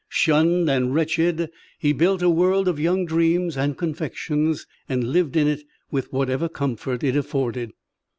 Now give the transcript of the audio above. Shunned and wretched, he built a world of young dreams and confections and lived in it with whatever comfort it afforded.